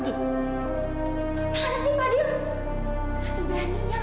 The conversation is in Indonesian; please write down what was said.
gimana sih pak dir